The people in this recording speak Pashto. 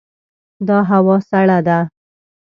دا هوا سړه ده.